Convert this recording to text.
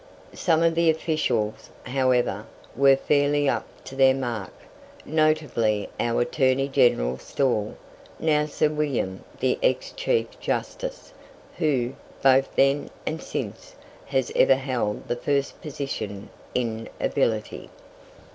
Some of the officials, however, were fairly up to their mark, notably our Attorney General Stawell (now Sir William, the ex Chief Justice), who, both then and since, has ever held the first position in ability.